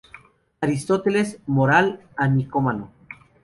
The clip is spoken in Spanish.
Aristóteles, "Moral a Nicómaco.